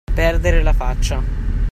Perdere la faccia.